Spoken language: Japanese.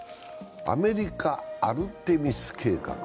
アメリカ、アルテミス計画。